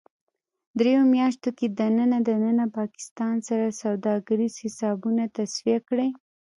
دریو میاشتو کې دننه ـ دننه پاکستان سره سوداګریز حسابونه تصفیه کړئ